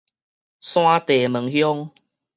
山地門鄉